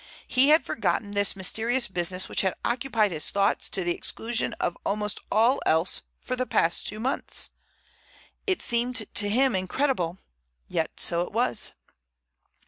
He had forgotten this mysterious business which had occupied his thoughts to the exclusion of almost all else for the past two months! It seemed to him incredible. Yet so it was.